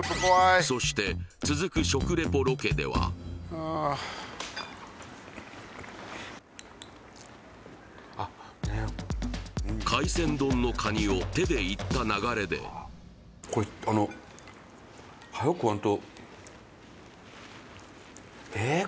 そして続く食レポロケでは海鮮丼のカニを手でいった流れでこれあのはよ食わんとえっ